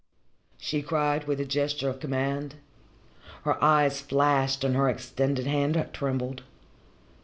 she cried, with a gesture of command. Her eyes flashed and her extended hand trembled.